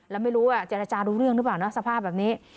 แล้วไม่รู้ว่าเจรจารู้เรื่องหรือเปล่านะสภาพแบบนี้